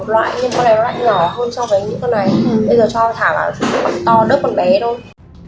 bây giờ cho thả vào thì nó to đớp con bé thôi